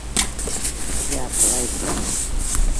بیا اپلای وکړه.